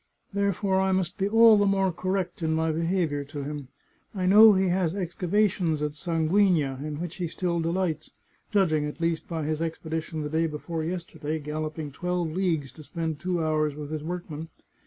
Therefore I must be all the more correct in my behaviour to him. I know he has excavations at Sanguigna in which he still delights — ^judging, at least, by his expedi tion the day before yesterday, galloping twelve leagues to spend two hours with his workmen.